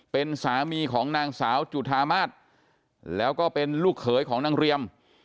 เป็นสามีของนางสาวจุธามาศแล้วก็เป็นลูกเขยของนางเรียม